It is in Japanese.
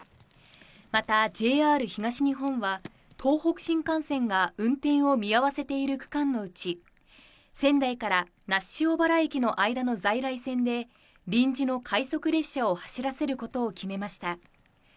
またＪＲ東日本は、東北新幹線が運転を見合わせている区間のうち、仙台から那須塩原駅の間の在来線で、臨時の快速列車を走らせることを決めました。